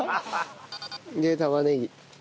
で玉ねぎ。